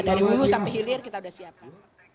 dari hulu sampai hilir kita sudah siapkan